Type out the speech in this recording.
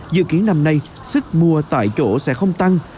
dự kiến năm nay sức mua tại chỗ sẽ không tăng